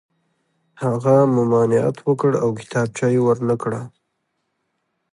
هغه ممانعت وکړ او کتابچه یې ور نه کړه